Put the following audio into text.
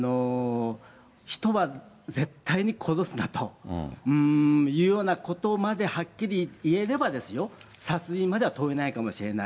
人は絶対に殺すなというようなことまではっきり言えればですよ、殺人までは問えないかもしれない。